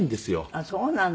あっそうなの。